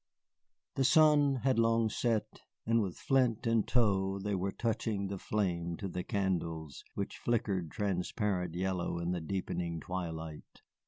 The sun had long set, and with flint and tow they were touching the flame to the candles, which flickered transparent yellow in the deepening twilight.